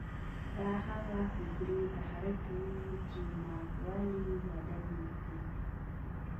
دا هغه فکري تحرک و چې ناخوالې يې بدلې کړې.